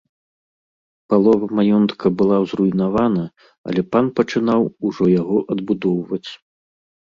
Палова маёнтка была зруйнавана, але пан пачынаў ужо яго адбудоўваць.